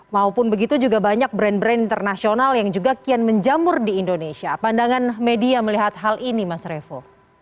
maupun begitu juga banyak brand brand internasional yang juga kian menjamur di indonesia pandangan media melihat hal ini mas revo